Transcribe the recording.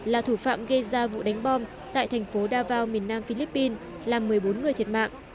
là thủ phạm gây ra vụ đánh bom tại thành phố davao miền nam philippines làm một mươi bốn người thiệt mạng